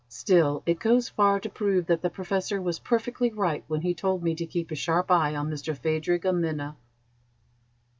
Still, it goes far to prove that the Professor was perfectly right when he told me to keep a sharp eye on Mr Phadrig Amena."